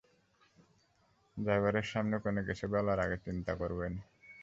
ড্রাইভারের সামনে কোনো কিছু বলার আগে চিন্তা করবেন।